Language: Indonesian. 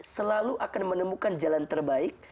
selalu akan menemukan jalan terbaik